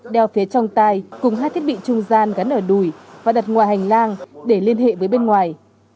đeo phía trong tay cùng hai thiết bị trung gian gắn ở đùi và đặt ngoài hành lang để liên hệ với bên ngoài